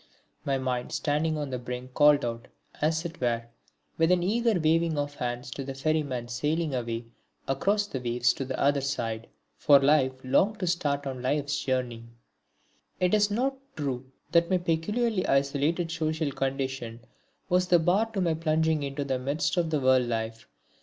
My mind standing on the brink called out, as it were, with an eager waving of hands to the ferryman sailing away across the waves to the other side. For Life longed to start on life's journey. It is not true that my peculiarly isolated social condition was the bar to my plunging into the midst of the world life.